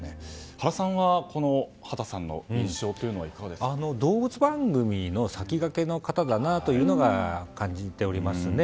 原さんは、畑さんの印象は動物番組のさきがけの方だなというのを感じておりました。